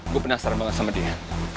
gue penasaran banget sama dia